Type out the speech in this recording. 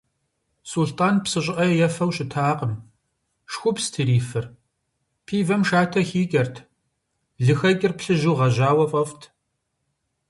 Сулътӏан псы щӏыӏэ ефэу щытакъым, шхупст ирифыр, пивэм шатэ хикӏэрт, лыхэкӏыр плъыжьу гъэжьауэ фӏэфӏт.